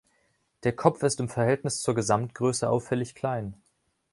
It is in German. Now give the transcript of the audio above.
Der Kopf ist im Verhältnis zur Gesamtgröße auffällig klein.